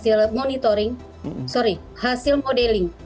salah satu hasil monitoring sorry hasil modeling